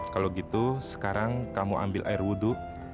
kalau gitu sekarang kamu ambil air wudhu